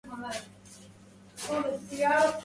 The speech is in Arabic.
لو تكلفت وصف نفسك والمر